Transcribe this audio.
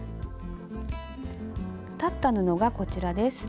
裁った布がこちらです。